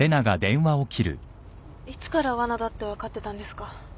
いつからわなだって分かってたんですか？